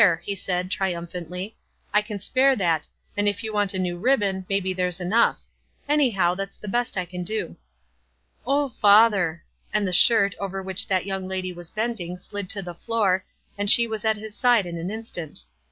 he said, triumphantly, "I can spare that, and if you want a new ribbon, may be there's enough. Anyhow, it's the best I can do." "O father," and the shirt over which that young lady was bending slid to the floor, and she was at his side in an instaut.